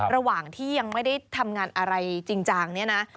ระหว่างที่ยังไม่ได้ทำงานอะไรจริงจังเนี่ยนะ